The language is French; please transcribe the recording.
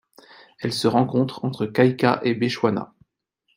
Elle se rencontre entre Kaika et Bechuana.